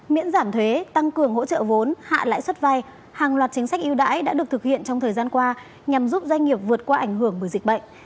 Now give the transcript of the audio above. miễn giảm thuế tăng cường hỗ trợ vốn hạ lãi suất vay hàng loạt chính sách yêu đãi đã được thực hiện trong thời gian qua nhằm giúp doanh nghiệp vượt qua ảnh hưởng bởi dịch bệnh